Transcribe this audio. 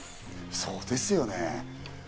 そうですよね。